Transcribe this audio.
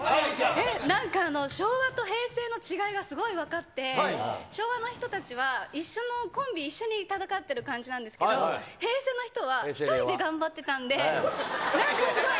なんか、昭和と平成の違いがすごい分かって、昭和の人たちは、一緒のコンビ、一緒に戦ってる感じなんですけど、平成の人は１人で頑張ってたんで、なんかすごい。